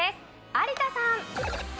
有田さん。